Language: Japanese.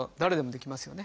できますよね。